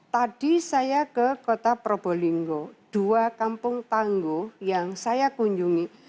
tadi saya ke kota probolinggo dua kampung tangguh yang saya kunjungi